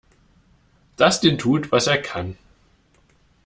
Dustin tut, was er kann.